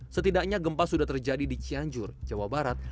setidaknya gempa sudah terjadi di cianjur jawa barat